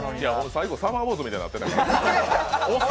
最後「サマーウォーズ」みたいになってたで。